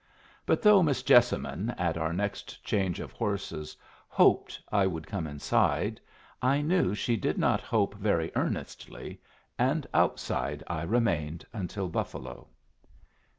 But though Miss Jessamine at our next change of horses "hoped" I would come inside, I knew she did not hope very earnestly, and outside I remained until Buffalo.